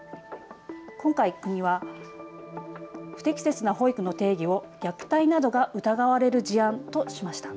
今回、国は不適切な保育の定義を虐待などが疑われる事案としました。